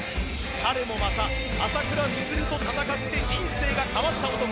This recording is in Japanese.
彼もまた朝倉未来と戦って人生が変わった男。